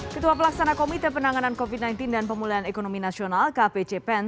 ketua pelaksana komite penanganan covid sembilan belas dan pemulihan ekonomi nasional kpcpen